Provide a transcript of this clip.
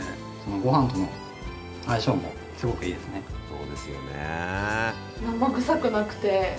そうですよね。